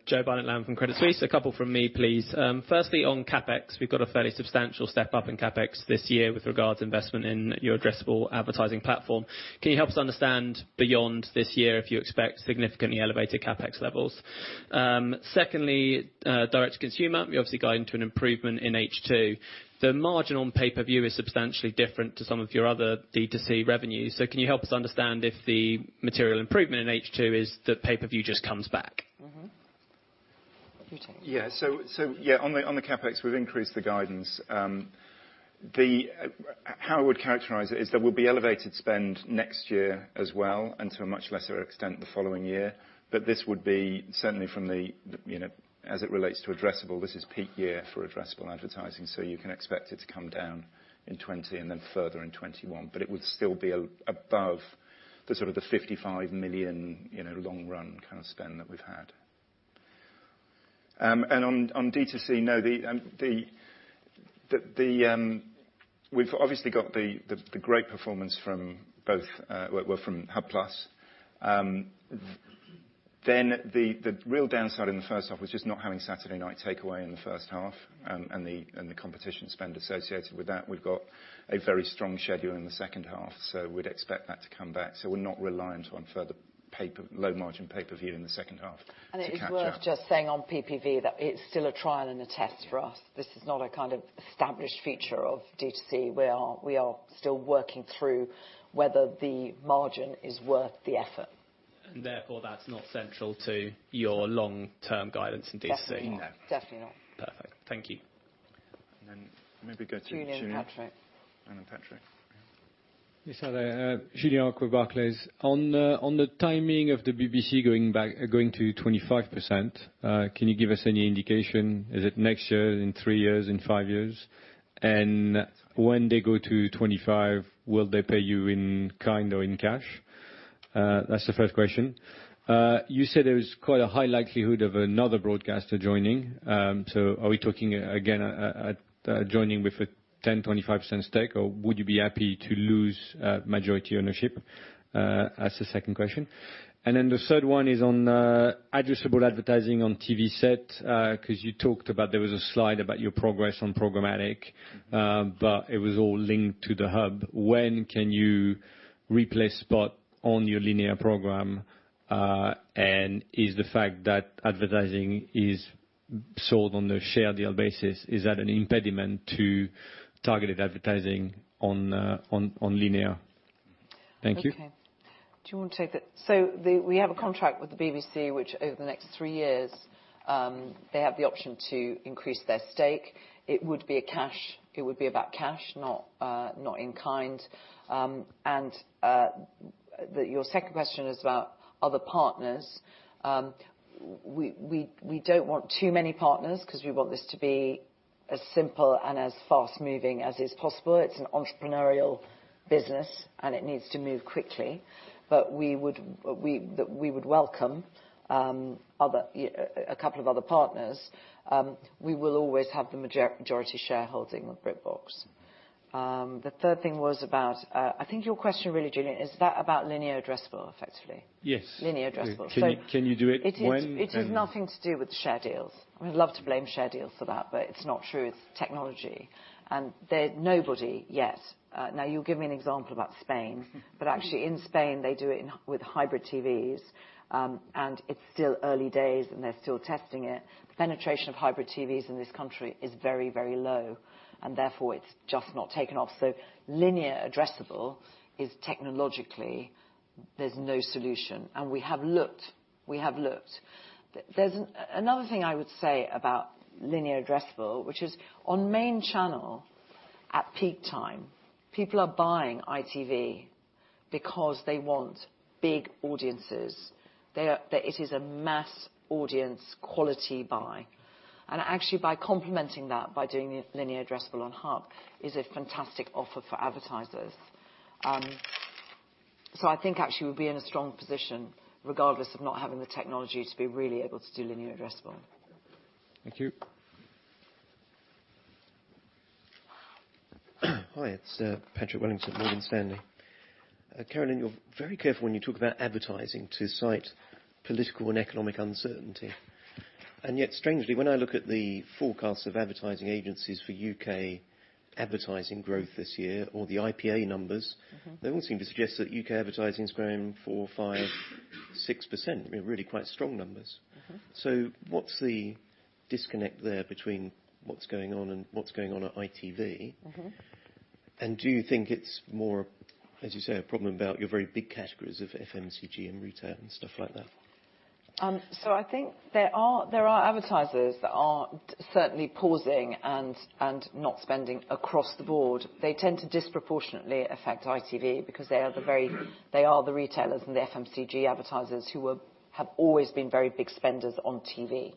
Joe Barnet-Lamb from Credit Suisse. A couple from me, please. Firstly on CapEx, we've got a fairly substantial step-up in CapEx this year with regards investment in your addressable advertising platform. Can you help us understand beyond this year if you expect significantly elevated CapEx levels? Secondly, direct to consumer, you're obviously guiding to an improvement in H2. The margin on pay-per-view is substantially different to some of your other D2C revenues. Can you help us understand if the material improvement in H2 is that pay-per-view just comes back? Mm-hmm. You take it. On the CapEx, we've increased the guidance. How I would characterize it is there will be elevated spend next year as well, and to a much lesser extent, the following year. This would be certainly as it relates to addressable, this is peak year for addressable advertising, so you can expect it to come down in 2020 and then further in 2021 but would still be above the sort of the 55 million long run kind of spend that we've had. On D2C, we've obviously got the great performance from Hub+. The real downside in the first half was just not having Saturday Night Takeaway in the first half, and the competition spend associated with that. We've got a very strong schedule in the second half, so we'd expect that to come back. We're not reliant on further low-margin pay-per-view in the second half to capture. It is worth just saying on PPV that it's still a trial and a test for us. This is not a kind of established feature of D2C. We are still working through whether the margin is worth the effort. Therefore, that's not central to your long-term guidance in D2C. Definitely not. Perfect. Thank you. Then maybe go to Julien. Julien and Patrick. Patrick. Yeah. Yes, hi there. Julien Roch with Barclays. On the timing of the BBC going to 25%, can you give us any indication, is it next year, in three years, in five years? When they go to 25%, will they pay you in kind or in cash? That's the first question. You said there was quite a high likelihood of another broadcaster joining. Are we talking again, joining with a 10%, 25% stake, or would you be happy to lose majority ownership? That's the second question. The third one is on addressable advertising on TV set, because you talked about, there was a slide about your progress on programmatic, but it was all linked to the Hub. When can you replace spot on your linear program? Is the fact that advertising is sold on a share deal basis, is that an impediment to targeted advertising on linear? Thank you. Okay. Do you want to take that? We have a contract with the BBC, which over the next three years, they have the option to increase their stake. It would be about cash, not in kind. Your second question is about other partners. We don't want too many partners because we want this to be as simple and as fast-moving as is possible. It's an entrepreneurial business, and it needs to move quickly. We would welcome a couple of other partners. We will always have the majority shareholding with BritBox. The third thing was about, I think your question really, Julien, is that about linear addressable, effectively? Yes. Linear addressable. Can you do it? It is nothing to do with share deals. I would love to blame share deals for that, it's not true. It's technology. Nobody yet. You'll give me an example about Spain, actually in Spain, they do it with hybrid TVs, and it's still early days, and they're still testing it. The penetration of hybrid TVs in this country is very very low, therefore it's just not taken off. Linear addressable is technologically, there's no solution, and we have looked. There's another thing I would say about linear addressable, which is on main channel at peak time, people are buying ITV because they want big audiences. It is a mass audience quality buy. Actually, by complementing that, by doing linear addressable on Hub, is a fantastic offer for advertisers. I think actually we'll be in a strong position regardless of not having the technology to be really able to do linear addressable. Thank you. Hi, it's Patrick Wellington, Morgan Stanley. Carolyn, you're very careful when you talk about advertising to cite political and economic uncertainty. Yet strangely, when I look at the forecasts of advertising agencies for U.K. advertising growth this year or the IPA numbers. They all seem to suggest that U.K. advertising is growing 4%, 5%, 6%, really quite strong numbers. What's the disconnect there between what's going on and what's going on at ITV? Do you think it's more, as you say, a problem about your very big categories of FMCG and retail and stuff like that? I think there are advertisers that are certainly pausing and not spending across the board. They tend to disproportionately affect ITV because they are the retailers and the FMCG advertisers who have always been very big spenders on TV.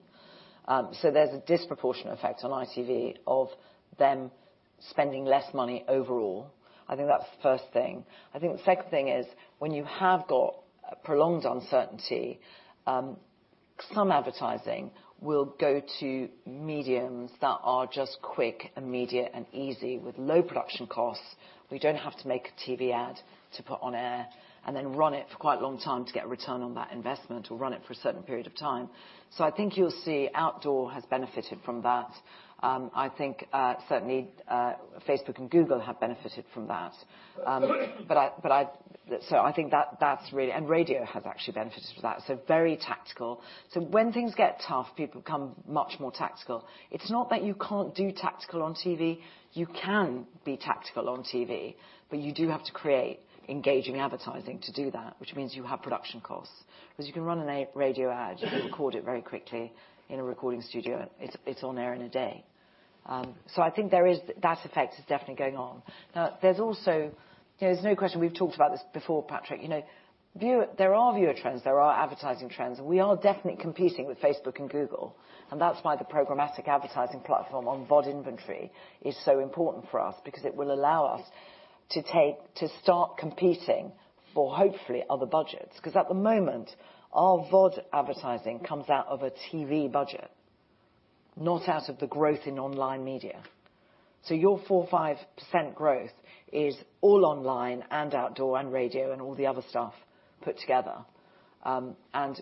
There's a disproportionate effect on ITV of them spending less money overall. I think that's the first thing. I think the second thing is when you have got prolonged uncertainty, some advertising will go to mediums that are just quick, immediate, and easy with low production costs, where you don't have to make a TV ad to put on air, and then run it for quite a long time to get a return on that investment or run it for a certain period of time. I think you'll see outdoor has benefited from that. I think certainly Facebook and Google have benefited from that. Radio has actually benefited from that. Very tactical. When things get tough, people become much more tactical. It's not that you can't do tactical on TV. You can be tactical on TV, but you do have to create engaging advertising to do that, which means you have production costs. You can run a radio ad, you can record it very quickly in a recording studio, and it's on air in a day. I think that effect is definitely going on. There's no question, we've talked about this before, Patrick. There are viewer trends, there are advertising trends, and we are definitely competing with Facebook and Google. That's why the programmatic advertising platform on VOD inventory is so important for us, because it will allow us to start competing for hopefully other budgets. At the moment, our VOD advertising comes out of a TV budget, not out of the growth in online media. Your 4%, 5% growth is all online and outdoor and radio and all the other stuff put together.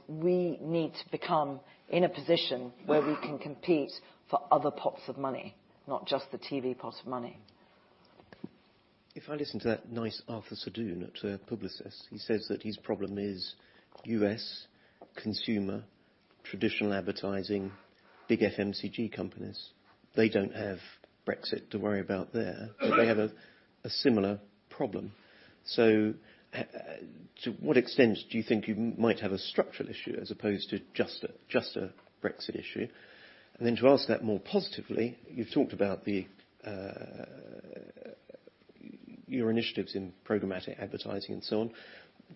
We need to become in a position where we can compete for other pots of money, not just the TV pot of money. If I listen to that nice Arthur Sadoun at Publicis, he says that his problem is U.S. consumer, traditional advertising, big FMCG companies. They don't have Brexit to worry about there- but they have a similar problem. To what extent do you think you might have a structural issue as opposed to just a Brexit issue? Then to ask that more positively, you've talked about your initiatives in programmatic advertising and so on.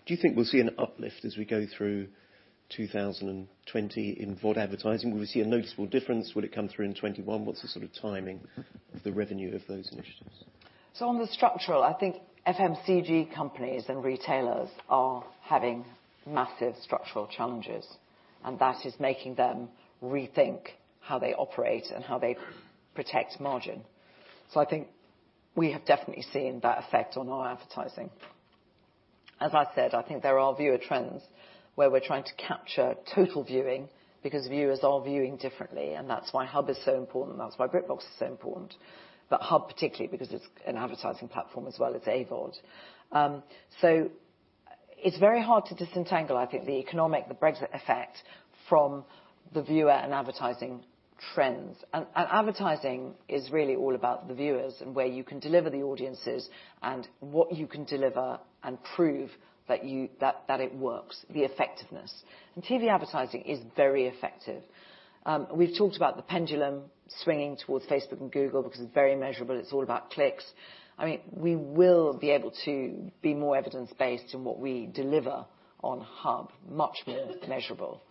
Do you think we'll see an uplift as we go through 2020 in VOD advertising? Will we see a noticeable difference? Would it come through in 2021? What's the sort of timing of the revenue of those initiatives? On the structural, I think FMCG companies and retailers are having massive structural challenges, and that is making them rethink how they operate and how they protect margin. We have definitely seen the effect on advertising and as I said, I think there are viewer trends where we're trying to capture total viewing because viewers are viewing differently, and that's why Hub is so important, that's why BritBox is so important. Hub particularly because it's an advertising platform as well as AVOD. It's very hard to disentangle, I think, the economic, the Brexit effect, from the viewer and advertising trends. Advertising is really all about the viewers and where you can deliver the audiences and what you can deliver and prove that it works, the effectiveness. TV advertising is very effective. We've talked about the pendulum swinging towards Facebook and Google because it's very measurable, it's all about clicks. We will be able to be more evidence-based in what we deliver on Hub, much more measurable.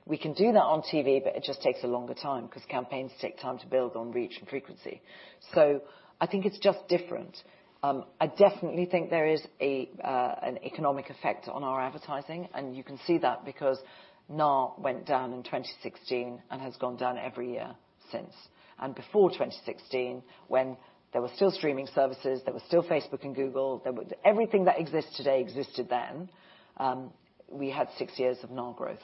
It just takes a longer time because campaigns take time to build on reach and frequency. I think it's just different. I definitely think there is an economic effect on our advertising. You can see that because NAR went down in 2016 and has gone down every year since. Before 2016, when there were still streaming services, there was still Facebook and Google, everything that exists today existed then, we had six years of NAR growth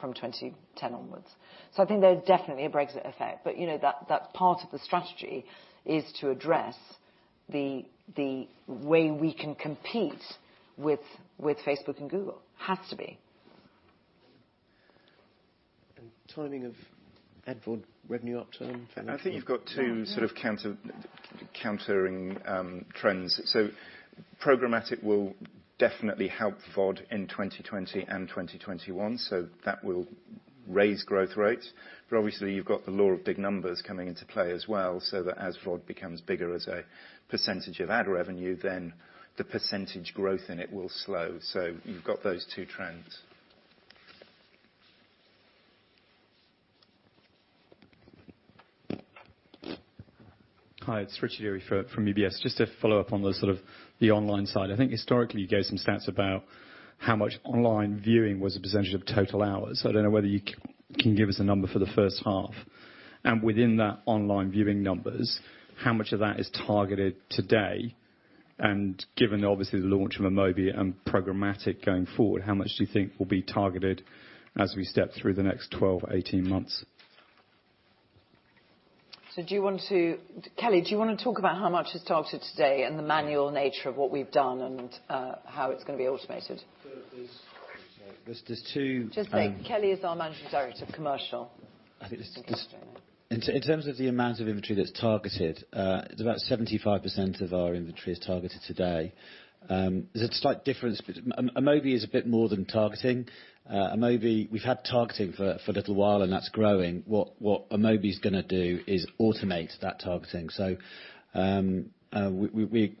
from 2010 onwards. I think there's definitely a Brexit effect, but that's part of the strategy is to address the way we can compete with Facebook and Google. Has to be. Timing of ad VOD revenue upturn? I think you've got two sort of countering trends. Programmatic will definitely help VOD in 2020 and 2021, so that will raise growth rates. Obviously you've got the law of big numbers coming into play as well, so that as VOD becomes bigger as a percentage of ad revenue, then the percentage growth in it will slow. You've got those two trends. Hi, it's Richard Eary from UBS. Just to follow up on the online side. I think historically you gave some stats about how much online viewing was a percentage of total hours. I don't know whether you can give us a number for the first half. Within that online viewing numbers, how much of that is targeted today? Given obviously the launch of Amobee and programmatic going forward, how much do you think will be targeted as we step through the next 12, 18 months? Kelly, do you want to talk about how much is targeted today and the manual nature of what we've done and how it's going to be automated? There's two- Just that Kelly is our Managing Director of Commercial. I think in terms of the amount of inventory that's targeted, it's about 75% of our inventory is targeted today. There's a slight difference. Amobee is a bit more than targeting. We've had targeting for a little while, and that's growing. What Amobee's going to do is automate that targeting.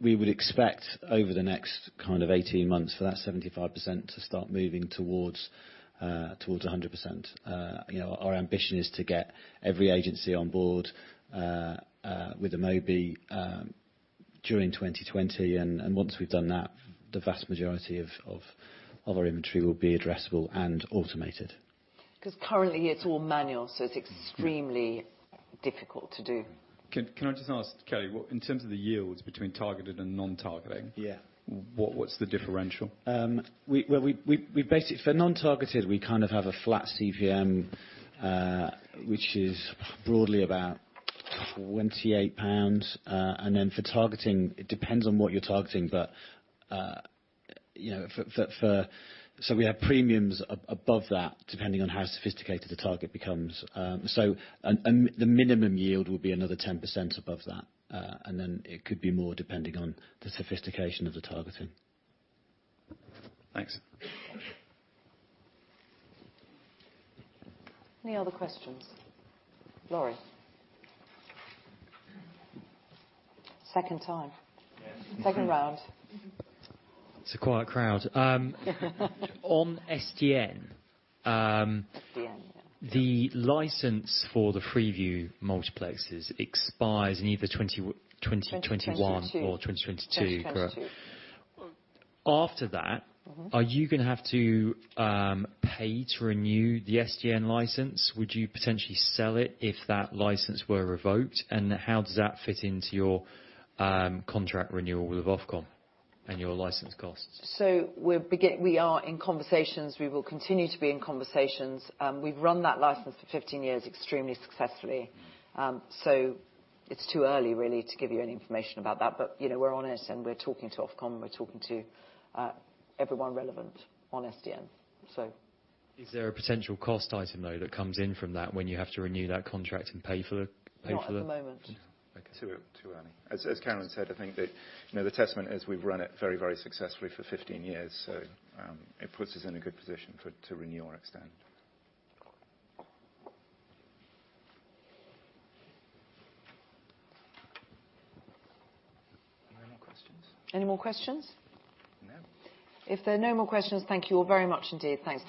We would expect over the next kind of 18 months for that 75% to start moving towards 100%. Our ambition is to get every agency on board with Amobee during 2020. Once we've done that, the vast majority of our inventory will be addressable and automated. Currently it's all manual, so it's extremely difficult to do. Can I just ask, Kelly, in terms of the yields between targeted and non-targeted. Yeah. What's the differential? For non-targeted, we kind of have a flat CPM, which is broadly about 28 pounds. For targeting, it depends on what you're targeting. We have premiums above that depending on how sophisticated the target becomes. The minimum yield would be another 10% above that, and then it could be more depending on the sophistication of the targeting. Thanks. Any other questions? Laurie? Second time. Yes. Second round. It's a quiet crowd. On SDN- SDN, yeah. The license for the Freeview multiplexes expires in either 2021 or 2022. 2022. After that, are you going to have to pay to renew the SDN license? Would you potentially sell it if that license were revoked? How does that fit into your contract renewal with Ofcom and your license costs? We are in conversations. We will continue to be in conversations. We've run that license for 15 years extremely successfully. It's too early, really, to give you any information about that. We're on it and we're talking to Ofcom, we're talking to everyone relevant on SDN. Is there a potential cost item, though, that comes in from that when you have to renew that contract and pay for? Not at the moment. Okay. It's a bit too early. As Carolyn said, I think that the testament is we've run it very, very successfully for 15 years. It puts us in a good position to renew or extend. Are there any more questions? Any more questions? If there are no more questions, thank you all very much indeed. Thanks.